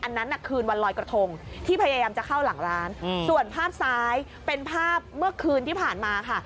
อันนั้นน่ะคืนวันลอยกระทงที่พยายามจะเข้าหลังร้านส่วนภาพซ้ายเป็นภาพเมื่อคืนที่ผ่านมาค่ะ